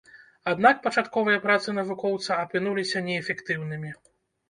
Аднак пачатковыя працы навукоўца апынуліся неэфектыўнымі.